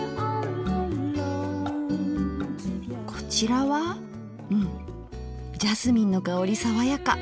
こちらはうんジャスミンの香り爽やか。